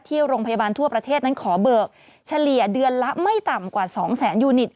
ที่โรงพยาบาลทั่วประเทศนั้นขอเบิกเฉลี่ยเดือนละไม่ต่ำกว่าสองแสนยูนิต